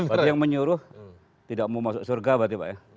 berarti yang menyuruh tidak mau masuk surga berarti pak ya